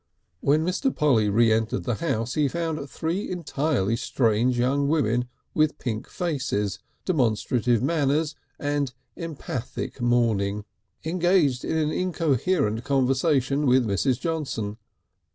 When Mr. Polly re entered the house he found three entirely strange young women with pink faces, demonstrative manners and emphatic mourning, engaged in an incoherent conversation with Mrs. Johnson.